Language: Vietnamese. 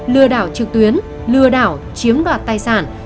lừa đảo trực tuyến lừa đảo chiếm đoạt tài sản